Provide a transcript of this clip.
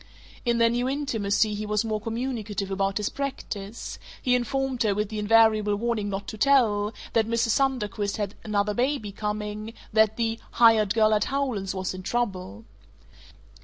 In their new intimacy he was more communicative about his practise; he informed her, with the invariable warning not to tell, that Mrs. Sunderquist had another baby coming, that the "hired girl at Howland's was in trouble."